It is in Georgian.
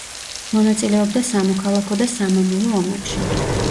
მონაწილეობდა სამოქალაქო და სამამულო ომებში.